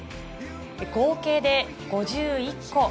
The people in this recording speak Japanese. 合計で５１個。